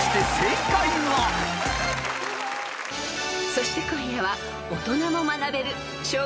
［そして今夜は］